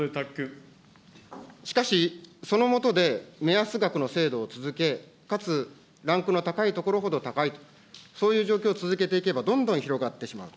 しかし、その下で、目安額の制度を続け、かつ、ランクの高い所ほど高いと、そういう状況を続けていけば、どんどん広がってしまう。